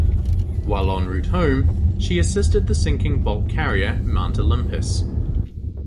While en route home, she assisted the sinking bulk carrier "Mount Olympus".